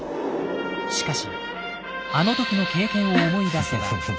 しかしあの時の経験を思い出せば。